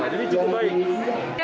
jadi cukup baik